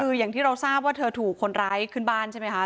คืออย่างที่เราทราบว่าเธอถูกคนร้ายขึ้นบ้านใช่ไหมคะ